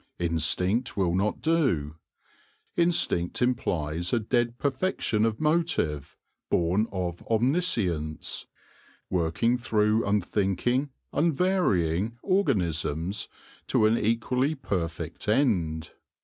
Instinct will not do. Instinct implies a dead perfec tion of motive, born of omniscience, working through unthinking, unvarying organisms to an equally per fect end.